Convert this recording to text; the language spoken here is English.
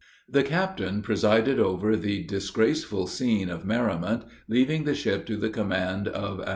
The captain, presided over the disgraceful scene of merriment, leaving the ship to the command of an M.